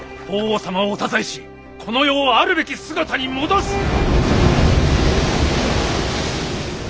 法皇様をお支えしこの世をあるべき姿に戻す！